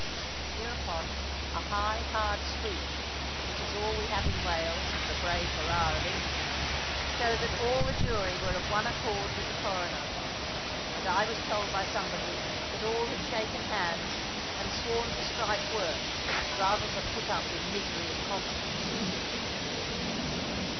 Hereupon a high hard screech, which is all we have in Wales for the brave hurrah of Englishmen, showed that all the jury were of one accord with the Coroner: and I was told by somebody that all had shaken hands, and sworn to strike work, rather than put up with misery of conscience.